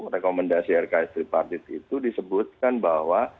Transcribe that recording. rekomendasi rks tripartit itu disebutkan bahwa